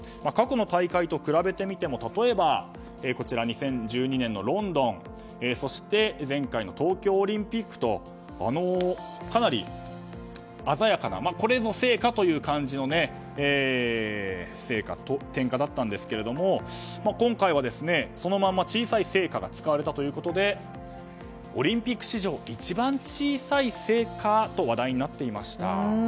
過去の大会と比べてみても例えば、２０１２年のロンドンそして前回の東京オリンピックとかなり鮮やかなこれぞ聖火という感じのね点火だったんですけども今回はそのまま小さい聖火が使われたということでオリンピック史上一番小さい聖火と話題になっていました。